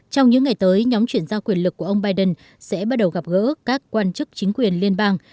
trong những ngày tới nhóm chuyển giao quyền lực của ông biden sẽ bắt đầu gặp gỡ các quan chức chính quyền liên bang